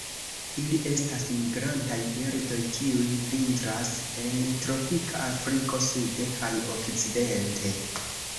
Ili estas migrantaj birdoj kiuj vintras en tropika Afriko sude kaj okcidente.